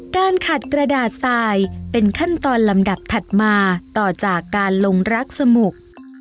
การขัดกระดาษทรายเป็นขั้นตอนลำดับถัดมาต่อจากการลงรักสมุก